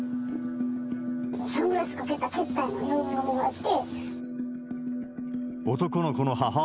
サングラスをかけたけったいな４人組がおって。